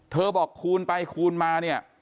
บอกคูณไปคูณมาเนี่ย